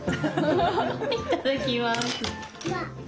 いただきます。